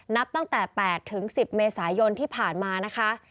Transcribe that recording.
นับตั้งแต่๘๑๐เมษายนที่ผ่านมานะคะ